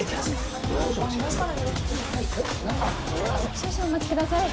・少々お待ちください。